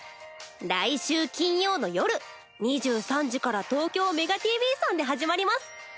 来週金曜の夜２３時から東京メガＴＶさんで始まります。